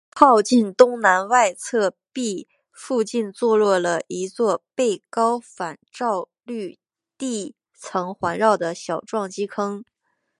靠近东南外侧壁附近坐落了一座被高反照率地层环绕的小撞击坑。